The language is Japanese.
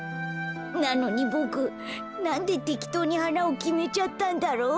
なのにボクなんでてきとうにはなをきめちゃったんだろう。